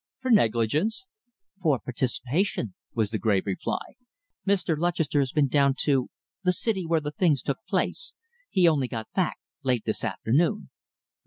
"For negligence?" "For participation," was the grave reply. "Mr. Lutchester has been down to the city where these things took place. He only got back late this afternoon."